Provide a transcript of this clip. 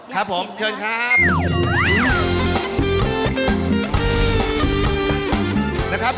ครับผมเชิญครับ